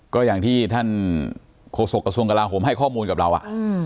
ก็อย่างที่ท่านโฆษกระทรวงกลาโหมให้ข้อมูลกับเราอ่ะ